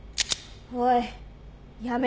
おいやめろ。